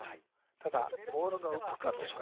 ただボールが浮くかどうか。